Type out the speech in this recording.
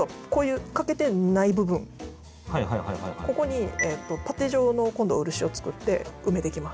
今度こういうここにパテ状の今度漆を作って埋めていきます。